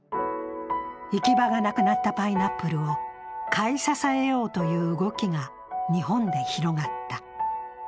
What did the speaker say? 行き場がなくなったパイナップルを買い支えようという動きが日本で広がった。